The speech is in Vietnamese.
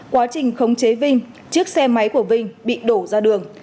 quá trình khống chế vinh chiếc xe máy của vinh bị đổ ra đường